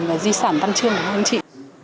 và di sản văn chương của anh chị